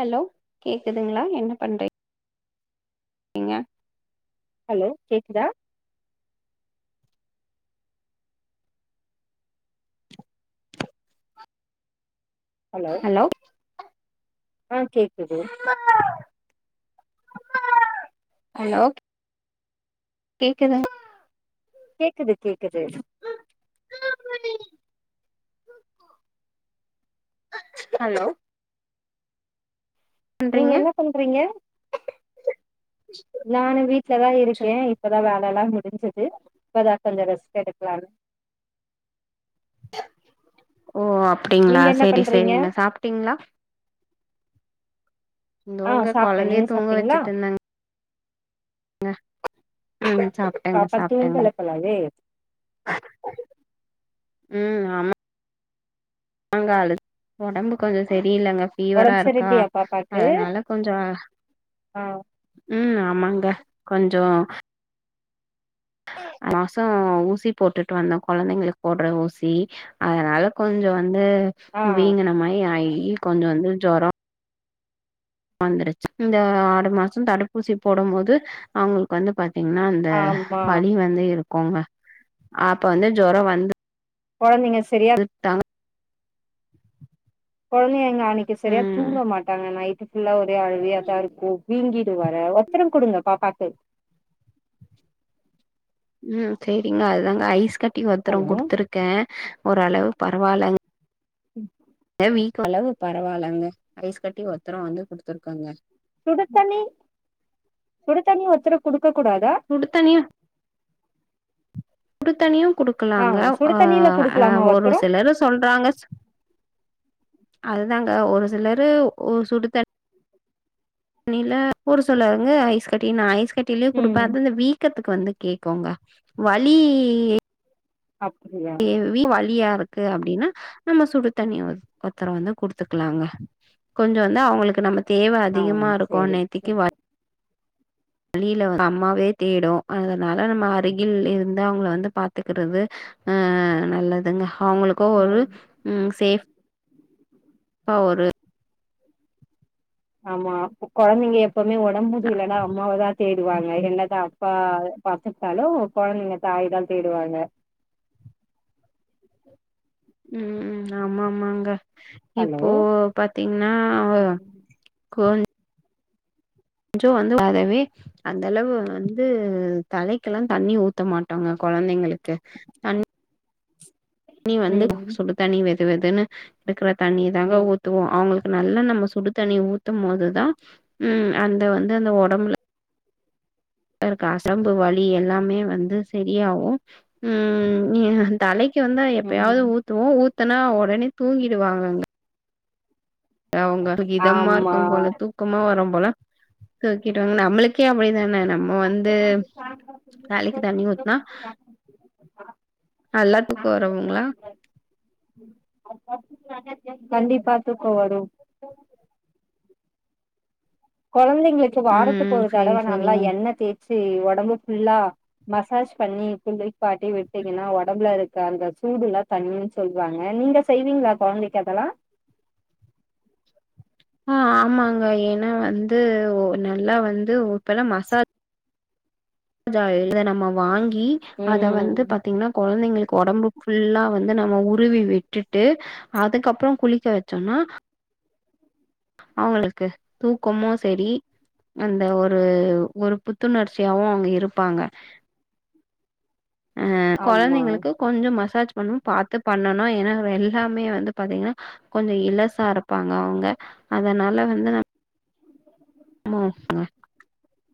Hello கேக்குதுங்களா என்ன பண்றீங் நீங்க ஹலோ கேக்குதா ஹலோ ஆ கேக்குது ஹலோ கேக்கல கேக்குது கேக்குது ஹலோ நீங்க பண்றீங்க என்ன பண்றீங்க நானு வீட்லதா இருக்கே இப்பதா வேல வேலலாம் முடிஞ்சது இப்போதான் கொஞ்சம் ரெஸ்ட் எடுக்கலான்னு ஓ அப்டீங்களா நீங்க என்ன செரி பண்றீங்க செரிங்க சாப்ட்டீங்களா ஆ நோங்க சாப்ட்டே கொழந்தைய நீங்க தூங்க சாப்ட்டீங்களா வச்சுட்டு இருந்தங்க ஹ ம் சாப்ட்டேங்க பாப்பா சாப்ட்டேங்க தூங்கல போலவே ம் ஆமா ஒங்காளு ஒடம்பு கொஞ்ச செரி அப்டில்லீங்க ஃபீவரா ஒடம்பு இருக்கா சரியில்லையா பாப்பாக்கு அதனால கொஞ்சம் ஆ ம் ஆமாங்க கொஞ்ச மாசம் ஊசி போட்டுட்டு வந்தே கொழந்தைங்களுக்கு போடற ஊசி அதனால கொஞ்ச வந்து ஆ வீங்கின மாரி ஆயி ஈறு கொஞ்ச வந்து ஜுர வந்துருச்சா இந்த ஆறு மாசம் தடுப்பூசி போடும் போது அவுங்களுக்கு வந்து பச் என்ன அந்த ஆமா வலி வந்து இருக் கோங்க அப்ப வந்து ஜொர வந்து கொழந்தைங்க சரியா விட்டா கொழந்தைகங்க அன்னைக்கு சரியா ம் தூங்க மாட்டாங்க நைட் ஃபுல்லா ஒரு அழுகையாதா இருக்கு வீங்கி வர ஒத்தட குடுங்க பாப்பாக்கு ம் சேரிங்க அதாங்க ஐஸ் கட் டி ஒத்தட ஹலோ குடுத்துருக்கே ஓரளவு பரவாலங் வீக்க இல்ல இப்ப பரவால்லங்க ஐஸ் கட்டி ஒத்தட வந்து குடுத்துருக்கங்க சுடு தண்ணி சுட தண்ணி உத்தரம் குடுக்க கூடாதா சுடு சுடுத்தனியும் ஆ குடுக்கலாங்க சுடு ஆ தண்ணில ஆ குடுக்கலாமா ஒரு வத்தரோ சிலரு சொல்றாங்க அதுதாங்க ஒரு சிலரு சுடு தண்ணி தண்ணில ஒரு சிலருங்க ஐஸ் கட்டி ந ஐஸ் கட்டிலயே கொடுப்ப அதுந்த வீக்கத்துக்கு வந்து கே போங்க வலி அப்டியா ஹெவி வழியா இருக்கு அப்படின்னா நம்ம சுடுதனிய ஒத்தரம் வந்து கொடுத்துருக்கலாங்க கொஞ்ச வந்து அவங்களுக்கு நம்ம தேவ ஆ அதிகமா இருக்கும் சேரி நேத்திக்கு சேரி வழியிலவ அம்மாவே தேடும் அதனால நம்ம அருகில் இருந்து அவங்கள வந்து பாத்துக்கறிறது ஆ நல்லதுங்க அவங்களுக்கும் ஒரு ம் சேஃப் [inaudible] ப்பா ஒரு ஆமா ப்ப கொழந்தைங்க எப்பவுமே உடம்புடியலனா அம்மாவதா தேடுவாங்க என்னதான் அப்பா பாத்துட்டாலும் கொலந்தைங்க தாய தான் தேடுவாங்க ம்ம் ம்ம் ஆமா ஆமாங்க ஹலோ இப்போ பாத்தீங்னா ஆ கொஞ் கொஞ்ஜோ வந்து வரவே அந்தளவு வந்து தலைக்கெலாம் தண்ணி ஊத்த மாட்டாங்க கொலந்தைங்களுக்கு தண் நீ வந்து ம் சுடு தனி வச் வெது வெதுனு இருக்கற தண்ணியதாங்க ம் ஊத்துவோம் அவங்களுக் நல்ல நம்ம சுடு தண்ணி ஊத்தும் போதுதான் ம் அந்த வந்து அந்த உடம்புல னக்கு அசம்பு வலி எல்லாமே வந்து சரியாவும் ம்ம் தலைக்கு கி வந்தா எப்பயாவது ம் ஊத்துவோம் ஊத் த்தனா உடனே தூங்கிடுவாங்கங்க அவங்க இதமா ஆமா இருக்கும் போல தூக்கமா வரும் போல தூக்கிட்டுவங் நம்ளுக்கே அப்படிதானே நம்ம வந்து தலைக்கு தண்ணி ஊத்துனா நல்லா தூக்கம் வரவுங்களா கண்டிப்பா தூக்கம் வரும் கொலந்தைங்களுக்கு வாரத்துக்கு ம் ஒரு செரி தடவ நல்லா செரிங்க எண்ணெய் தே ச்சு உடம்பு புல்லா மசாஜ் பண்ணி புள்ளே பாட்டி விட்டிங்கனா உடம்புல இருக் க்க அந்த சூடுலா தனியனு சொல்லுவாங்க நீங்க செய்வீங்களா கொலந்தைக்கு அதெல்லா ஆ ஆமாங்க ஏன்னா வந்து ஓ நல்லா வந்து இப்பலாம் மசாஜ் ஜா இத நம்ம வாங் இ அத வந்து ம் பாத்தீங்னா கொழந்தைங்களுக் கொடம்பு ஃபுல்லா வந்து நம்ம உருவி விட்டுட்டு அதுக்கப்பம் குளிக்க வச்சோனா அவங்களுக்கு தூக்கமு சரி அந்த ஒரு ஒரு புத்துணர்ச்சியாவு அவங்க இ இருப்பாங்க அ ஆமா கொழந்தைங்களுக்கு கொஞ்சோ மசாஜ் ஒன்னு பாத்து பண்ணனு ஏன்னா எல்லாமே வந்து பாத்தீங்னா கொஞ்சோ இலசா இருப்பாங்க அவங்க அதனால வந்து நம் [inaudible]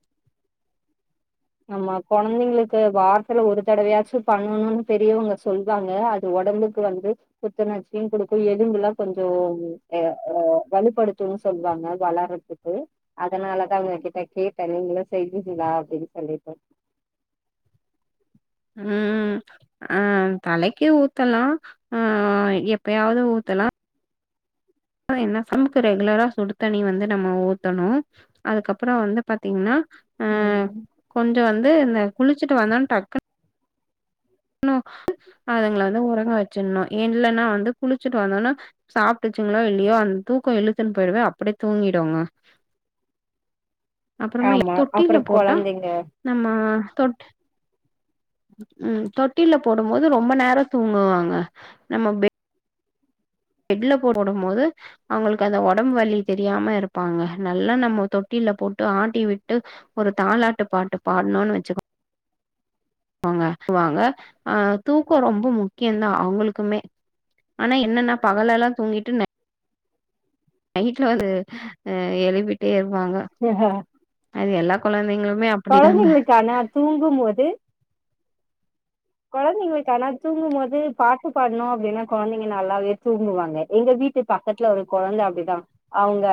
ஆமா கொழந்தைங்களுக்கு வாரத்துல ஒரு தடவையாச்சு பண்ணணுன் பெரியவங்க சொல்வாங்க அது ஒடம்புக்கு வந்து புத்துணர்ச்சியு குடுக்கும் எலும்புலா கொஞ்சம் அ அ வலுப்படுத்துன் சொல்லுவாங்க வளர்றதுக்கு அதனாலதா உங்க கிட்ட கேட்ட நீங்களு செய்வீங்ளா அப்டின்னு கண்டிப்பா ம் அ தலைக்கு ஊத்தலா அ எப்பயாவது ஊத்தலா என்ன சமக்கு ரெகுலரா சுடு தண்ணி வந்து நம்ம ஊத்தணு அதுக்கப்புறோ வந்து பாத்தீங்ன்னா அ ம் கொஞ்சோ வந்து இந்த குளிச்சிட்டு வந்தோன்ன டக்குன் னு அதுங்கள வந்து உறங்க வச்சிட்ணு இல்லன்னா வந்து குளிச்சுட்டு வந்தோனா சாப்ட்டுச்சுங்களோ இல்லையோ அந்த தூக்கோ இழுத்துன்னு போயிடுவ அப்டியே தூங்கிடுங்க அப்றமே ஆமா தொட்டில்ல அப்றோ போட்டா கொழந்தைங்க நம்ம தொட் ம் தொட்டில போடும்போது ரொம்ப நேரோ தூங்குவாங்க நம்ம பெ பெட்ல போடும் போது அவங்களுக்கு அந்த ஒடம்பு வலி தெரியாம இருப்பாங்க நல்லா நம்ம தொட்டில்ல போட்டு ஆட்டி விட்டு ஒரு தாலாட்டு பாட்டு பாட்னோன் வச்சுக்கோ வாங்க வாங்க ஆ தூக்கோ ரொம்ப முக்கியந்தா அவுங்களுக்குமே ஆனா என்னன்னா பகலல்லா தூங்கிட்டு நைட்ல வந்து ஆ எழுப்பிட்டே இரு ப்பாங்க அது எல்லா கொழந்தைங்களு கொழந்தைங்களுக்கு ஆனா தூங்கும் போது கொழந்தைங்களுக்கு ஆனா தூங்கும் போது பாட்டு பாடுனோ அப்டின்னா கொழந்தைங்க நல்லாவே தூங்குவாங்க எங்க வீட்டு பக்கத்துல ஒரு கொழந்த அப்டிதா அவுங்க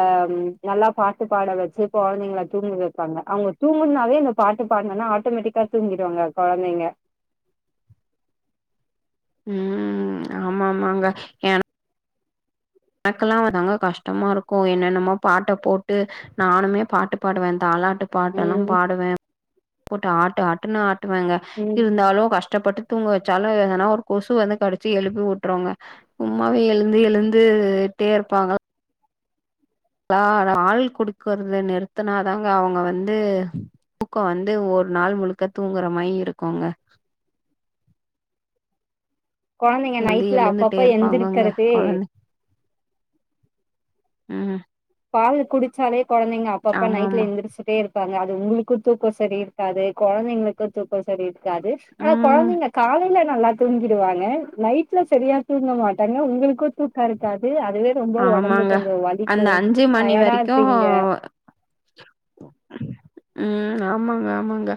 நல்லா பாட்டு பாட வச்சி கொழந்தைங்கள தூங்க வப்பாங்க அவங்க தூங்கனுனாவே அந்த பாட்டு பாடுனனா ஆட்டோமேட்டிக்கா தூங்கிடுவாங்க கொழந்தைங்க ம் ஆமாமாங்க ஏனா எனக்கெல்லா வந்தாங்க கஷ்டமா இருக்கு என்னென்னமோ பாட்ட போட்டு நானுமே பாட்டு பாடுவே தாலாட் டு பாட்டெல்லா ம் பாடுவே போட்டு ஆட்டு ஆட்டுன்னு ஆட் டுவேங்க ம் இருந்தாலு கஷ்டப்பட்டு தூங்க வச்சாலு எதன்னா ஒரு கொசு வந்து கடிச்சி எழுப்பி வுட்ருங்க சும்மாவே எழுந்து எழுந்துட்டே இருப்பாங்கள் ஆள் குடுக்குறத நிறுத்துனாதாங்க அவங்க வந்து தூக்கோ வந்து ஒரு நாள் முழுக்க தூங்குற மாரி இருக்குங்க கொழந்தைங்க எழுந்து நைட்ல எழுந்துட்டே அப்பப்ப இருப்பாங்கங்க எந்திருக்கிறதே கொழந்த ம் பால் குடிச்சாலே கொழந்தைங்க அப்பப்ப நைட்ல ஆமாமா எந்திரிச்சிட்டே இருப் ப்பாங்க அது உங்களுக்கு தூக்கொ சரி இருக்காது கொழந்தைங்களுக்கு தூக்கொ சரி இரு க்காது ஆனா ம் கொழந்தைங்க காலை ல்ல நல்லா தூங்கிடுவாங்க நைட்ல செரியா தூங்க மாட்டாங்க உங்களுக்கு தூக்கொ இருக்காது அ அதுவே ரொம்போ ஒடம்பு ஆமாங்க கொஞ்சொ வலிக்கு அந்த அஞ்சு மணி டயர்டா வரைக்கு இருப்பீங்க உம் ஆமாங்க ஆமாங்க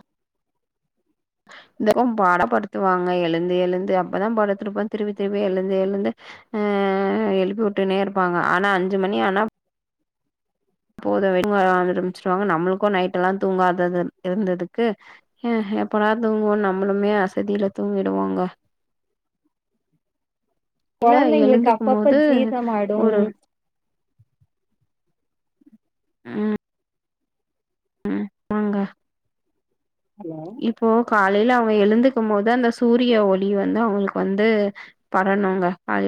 இந்தக்கும் பாடப்படுத்துவாங்க எழுந்து எழுந்து அப்பதா படத்துருப்ப திருப்பி திருப்பி எழுந்து எழுந்து அஹ் எழுப்பி விட்டுனே இருப்பாங்க ஆனா அஞ்சு மணி ஆனா அப்போத [unintelligible] வர ஆரம்பிச்சிருவாங்க நம்மளுக்கு நைட் எல்லா தூங்காதது இருந்ததுக்கு ஹ எப்பல்லாம் தூங்குவோம் நம்மளுமே அசதியில தூங்கிடுவவோங்க கொழந்தைங்களுக்கு அப்பப்ப ஜீதமாயிடும். ஒரு ஆஹ் உம் வாங்க ஹலோ இப்போ காலைலில அவ எழுந்துக்கும் போது அந்த சூரிய ஒளி வந்து அவங்களுக்கு வந்து பரணுங்க கால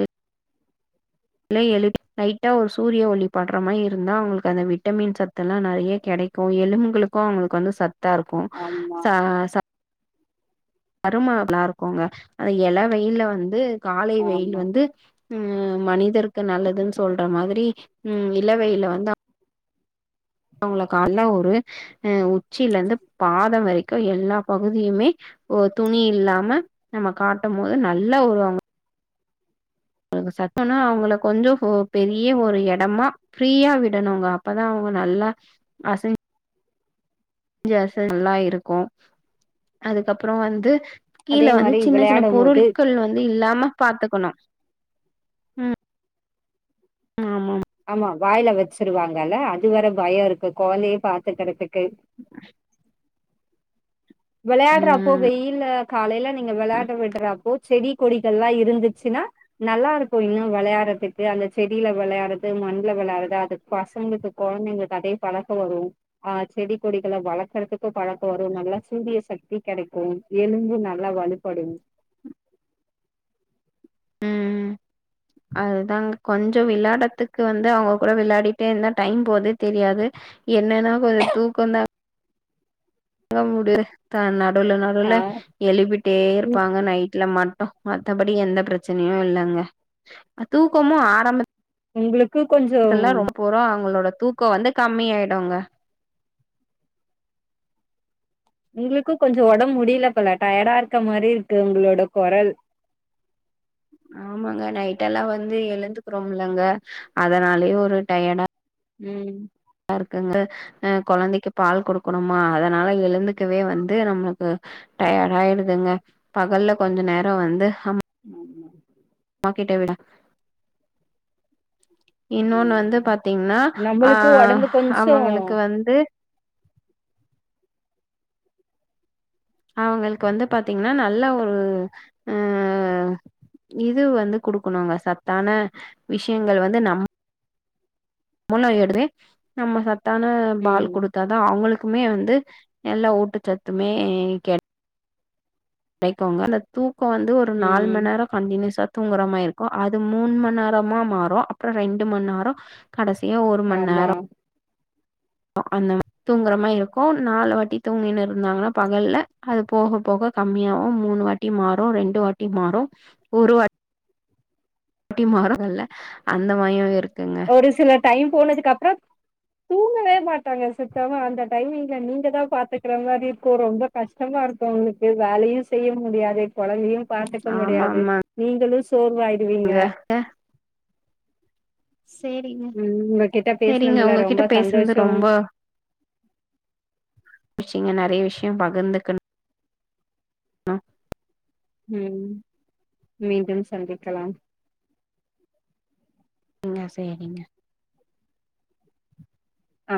இல்ல எ லைட்டா ஒரு சூரிய ஒளி படுற மாதி இருந்தா அவங்களுக்கு அந்த விட்டமின் சத்து எல்லா நெறைய கிடைக்கும் எலும்புகளுக்கு அவங்களுக்கு வந்து சத் தா இருக்கு ஆமா சா ச சரும நல்லா இருக்கோங்க அந்த எள வெயிலல வந்து காலை வெயில் ஆமா வந்து உஹம் மனிதருக்கு நல்லதுன்னு சொல்ற மாதிரி உஹம் இளவெயில வந்து அவங்களுக்கு அல்ல ஒரு அஹ் உச்சில இருந்து பாதம் வரைக்கு எல்லா பகுதியுமே ஒ துணி இல்லாம நம்ம காட்டும் போது நல்ல ஒரு அவங்க [unintelligible] சத்தம்னா அவங்கள கொஞ்சோ பெரிய ஒரு எடமா ஃப்ரீயா விடணுங்க அப்பதா அவங்க நல்லா அசைஞ் சஞ் நல்லா இருக்கு அதுக்கப்புறோ வந்து கீழே அதே வந்து மாரி சின்ன சின்ன விளையாடும் போது பொருட்கள் வந்து இல்லாம பாத்துக்கணு உம் ஆமா ஆமா வாயில வெச்சிருவாங்கல்ல அது வேற பயம் இருக்கு கொழந்தைய பாத்துக்கறதுக்கு [inaudible] வெளையாடற ம் அப்பல்ல காலைலில நீங்க விளையாட விடுறாப்போ செடி கொடிகள் எல்லா இருந்துச்சுன்னா நல்லா இருக்கும இன்னு வெளையாடுறதுக்கு அந்த செடியில வெளையாறது மண்ல வெளையாறது அது பசங்களுக்கு கொழந்தைங்க அதையே பழக்க வரும் ஆஹ் செடி கொடிகளை வளக்குறதுக்கு பழக்க வரும் நல்லா சூரிய சக்தி கெடைக்கு எலும்பு நல்லா வலுப்படு உம் அதுதாங்க கொஞ்சோ விளையாடத்துக்கு வந்து அவங்க கூட விளையாடிட்டே இருந்தா டைம் போத தெரியாது என்னன்னா கொஞ் தூக்கந்தா அங்க முடிய தா நட் நடு ஆ நடுல எழுப்பிட்டே ம் இருப்பாங்க நைட்ல மட் மத்தபடி எந்த பிரச்சனையு இல்லங்க தூக்கமு ஆரம்ப உங்களுக்கு கொஞ்சோ தூக்கம் வந்து கம்மிய ஆயடுங்க உங்களுக்கு கொஞ்சோ ஒடம்பு முடியலப் போல டயர்டா இருக்க மாரி இருக்கு உங்களோட கொரல் ஆமாங்க நைட் எல்லா வந்து எழுந்துக்குிறோம்லங்க அதனாலயே ஒரு டயர்டா உம் அஹ் கொழந்தைக்கு பால் கொடுக்கணுமா அதனால எழுந்துக்கவே வந்து நம்மளுக்கு டயர்ட் ஆயிடுதுங்க பகல்ல கொஞ்ச நேரம் வந்து அம் உம் உம் க்கட்ட விட இன்னொன்னு வந்து ம் பாத்தீங்கன்னா நம்மளுக்கு அஹ் ஒடம்பு கொஞ்சோ அவங்களுக்கு வந்து அவங்களுக்கு வந்து பாத்தீங்கன்னா நல்ல ஒரு அஹ் இது வந்து குடுக்கணும்ங்க சத்தான விஷயங்கள் வந்து நம் முன்ன ஏடுவே நம்ம சத் தான பால் ம் கொடுத்தாதா அவங்களுக்கு க்குமே வந்து எல்லா ஊட்டுச்சத்துமே க கிடைக்குங்க இல்ல தூக் இப்ப வந்து ஒரு நால் மணி ம் நேரம் கண்டியூஸ்ஸா தூங்குற மா இருக்கும் அது மூணு மணி நேரமா மாறும் அப்புறம் ரெண்டு மணி நேரம் கடைசி ஒரு மணி ஆமா நேரம் அந்த தூங்குற மாரி இருக்கும் நாலு வாட்டி தூங்கின்னு இருந்தாங்கன்னா பகல்ல அது போக போக கம்மியாவும் மூணு வாட்டி மாறும் ரெண்டு வாட்டி மாறும் ஒரு வாட்டி ட்டி மாறும்ல்ல அந்த மாதிரியும் இருக்கு ஒரு சில டைம் போனதுக்கு அப்புறம் தூங்கவே மாட்டாங்க சுத்தமா அந்த டைமிங்ல நீங்க தான் பாத்துக்கிற மாதிரி இப்போ ரொம்ப கஷ்டமா இருக்கும் உங்களுக்கு வேலையும் செய்ய முடியாதுே குழந்தையும் பாத்துக்க முடியாது ஆமாமாங்க. நீங்களும் சோர்வாயிருவீங்க செரிங்க உங்ககிட்ட செரிங்க பேசுனதுல ரொம்ப உங்ககிட்ட பேசுனது சந்தோஷம் ரொம்ப ச்சிங்க நிறைய விஷயம் பகிர்ந்துக்கணும் ஆஹ உம் மீண்டும் சந்திக்கலாம் என்ன செரிங்க ஆ